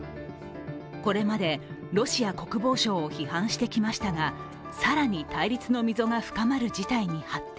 これまでロシア国防省を批判してきましたが、更に対立の溝が深まる事態に発展。